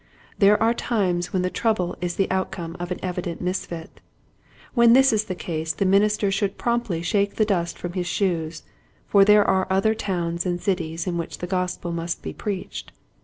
There are times when the trouble is the outcome of an evident misfit. When this is the case the minister should promptly shake the dust from his shoes, for there are other towns and cities in which the Gospel must be preached.